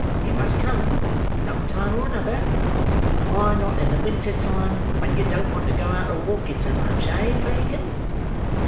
It must come, some time or another, and why not in the winter time when you don't want to go out a walking so much; eh, Fagin?"